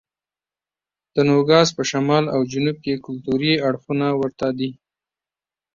د نوګالس په شمال او جنوب کې کلتوري اړخونه ورته دي.